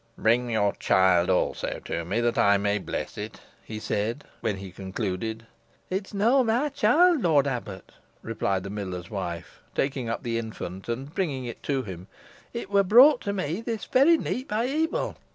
"Bring your child also to me, that I may bless it," he said, when he concluded. "It's nah my child, lort abbut," replied the miller's wife, taking up the infant and bringing it to him; "it wur brought to me this varry neet by Ebil.